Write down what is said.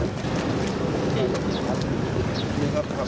ถ้าไม่รู้สิอีกแล้วรถตาย